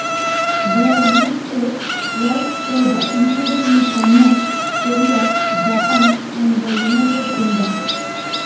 Their use is widespread, including in China, Korea, Japan and the United Kingdom.